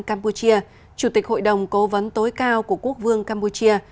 campuchia chủ tịch hội đồng cố vấn tối cao của quốc vương campuchia